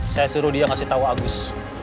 saya suruh dia ngasih tahu agus